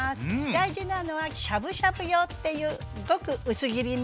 大事なのはしゃぶしゃぶ用っていうごく薄切りね。